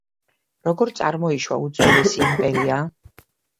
როგორ წარმოიშვა უძველესი იმპერია?